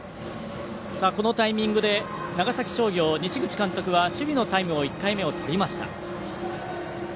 このタイミングで長崎商業の西口監督は守備のタイム１回目を取りました。